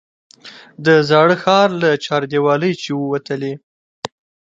د زاړه ښار له چاردیوالۍ چې ووتلې.